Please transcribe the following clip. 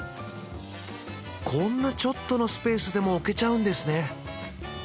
こんなちょっとのスペースでも置けちゃうんですね